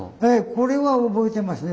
これは覚えてますね。